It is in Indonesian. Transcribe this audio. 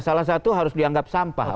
salah satu harus dianggap sampah